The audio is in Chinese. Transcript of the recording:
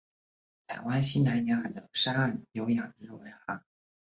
台湾西南沿海的沙岸有养殖文蛤。